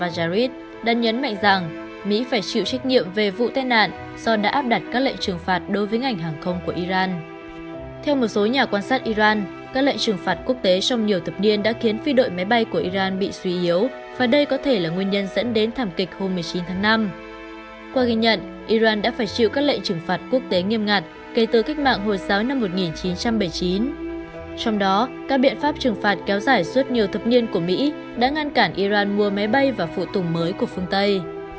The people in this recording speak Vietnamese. trong đó các biện pháp trừng phạt kéo dài suốt nhiều thập niên của mỹ đã ngăn cản iran mua máy bay và phụ tùng mới của phương tây